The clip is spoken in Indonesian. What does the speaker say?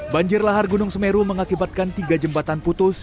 banjir lahar gunung semeru mengakibatkan tiga jembatan putus